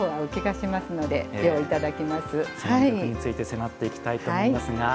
その魅力について迫っていきたいと思いますが